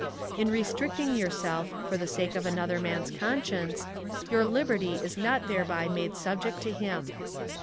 " In restricting yourself, for the sake of another man's conscience, your liberty is not thereby made subject to him."